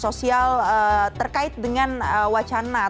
kalau kita bicara terkait dengan kenaikan harga bbm apa yang bisa kita lakukan